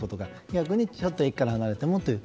逆にちょっと駅から離れてもという。